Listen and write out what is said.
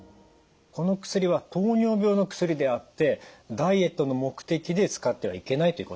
この薬は糖尿病の薬であってダイエットの目的で使ってはいけないということですね。